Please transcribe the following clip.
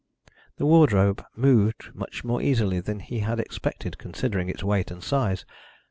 The wardrobe moved much more easily than he had expected, considering its weight and size.